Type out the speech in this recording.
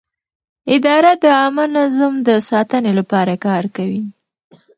اداره د عامه نظم د ساتنې لپاره کار کوي.